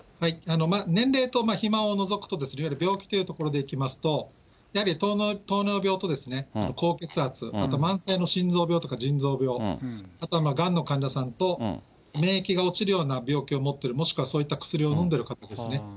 年齢と肥満を除くと、いわゆる病気というところでいきますと、やはり糖尿病と高血圧、あと慢性の心臓病とか腎臓病、あとはがんの患者さんと、免疫が落ちるような病気を持ってる、もしくはそういった薬を飲んでる方ですね。